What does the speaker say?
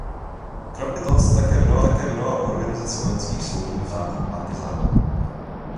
Kromě toho se také věnoval organizaci vojenských soudů v řadách partyzánů.